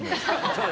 そう